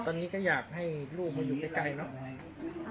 ตอนนี้ก็อยากให้ลูกมาอยู่ใกล้เนอะ